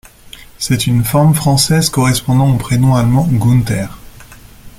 C'est une forme française correspondant au prénom allemand Günther.